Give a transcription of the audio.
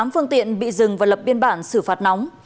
tám phương tiện bị dừng và lập biên bản xử phạt nóng